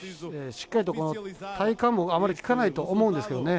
しっかりと体幹もあまり利かないと思うんですけどね。